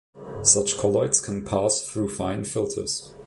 Such colloids can pass through fine filters.